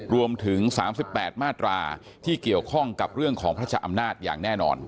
รวมถึง๓๘มาตราที่เกี่ยวข้องกับเรื่องของพระเจ้าอำนาจอย่างแน่นอน